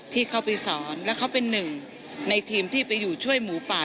ที่เขาไปสอนแล้วเขาเป็นหนึ่งในทีมที่ไปอยู่ช่วยหมูป่า